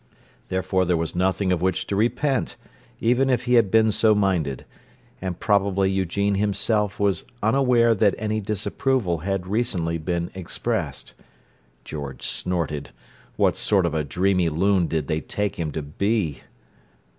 Therefore there was nothing of which to repent, even if he had been so minded; and probably Eugene himself was unaware that any disapproval had recently been expressed. George snorted. What sort of a dreamy loon did they take him to be?